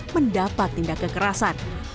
mendapat tindak kekerasan